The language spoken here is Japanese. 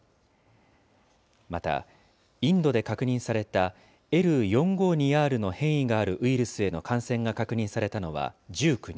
また、インドで確認されたＬ４５２Ｒの変異があるウイルスへの感染が確認されたのは、１９人。